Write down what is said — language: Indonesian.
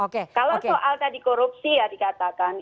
kalau soal tadi korupsi ya dikatakan